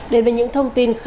đến với những thông tin